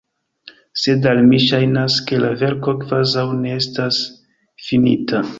Sed al mi ŝajnas, ke la verko kvazaŭ ne estas finita.